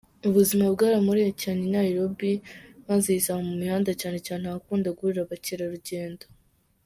Ubuzima bwaramuriye cyane I Nairobi, maze yisanga mu mihanda, cyane cyane ahakundaga guhurira abakerarugendo.